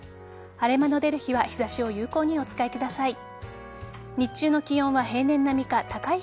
晴れ間の出る日は日差しを有効にお使いください。